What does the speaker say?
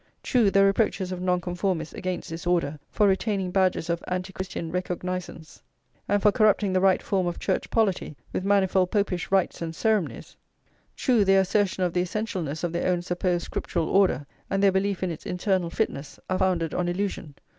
True, the reproaches of Nonconformists against this order for "retaining badges of Antichristian recognisance;" and for "corrupting the right form of Church polity with manifold Popish rites and ceremonies;" true, their assertion of the essentialness of their own supposed Scriptural order, and their belief in its eternal fitness, are founded on illusion.